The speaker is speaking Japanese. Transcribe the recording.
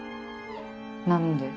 何で？